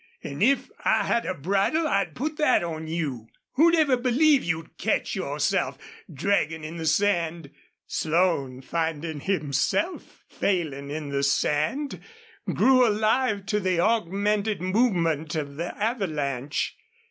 "An' if I had a bridle I'd put that on you.... Who'd ever believe you'd catch yourself, draggin' in the sand?" Slone, finding himself failing on the sand, grew alive to the augmented movement of the avalanche.